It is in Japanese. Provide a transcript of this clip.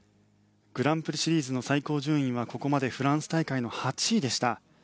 グランプリシリーズの最高順位は、ここまでフランス大会の８位でした。